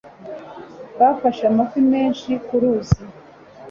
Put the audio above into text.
Bafashe amafi menshi ku ruzi.